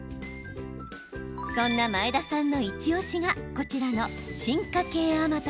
そんな前田さんのイチおしがこちらの進化形甘酒。